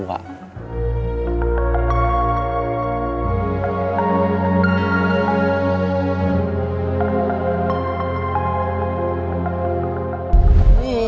nanti aku bakal bawa